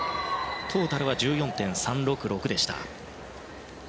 トータルは１４．３６６でした。